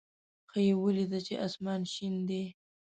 ښه یې ولېده چې اسمان شین دی.